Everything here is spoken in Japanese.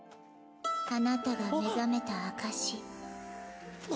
あなたが目覚めた証し。